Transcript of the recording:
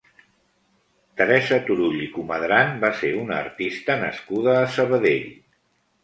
Teresa Turull i Comadran va ser una artista nascuda a Sabadell.